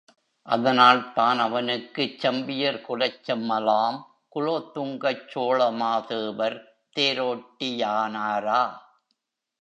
அதனால்தான் அவனுக்குச் செம்பியர்குலச் செம்மலாம் குலோத்துங்கச் சோழமாதேவர் தேரோட்டியானாரா?